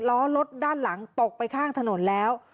ล้อรถด้านหลังตกไปข้างถนนแล้ว